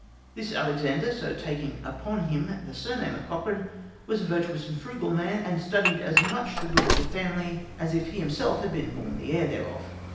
This Alexander, so taking upon him the surname of Cochran, was a virtuous and frugal man, and studied as much the good of the family as if he himself had been born the heir thereof.